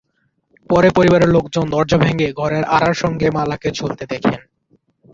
পরে পরিবারের লোকজন দরজা ভেঙে ঘরের আড়ার সঙ্গে মালাকে ঝুলতে দেখেন।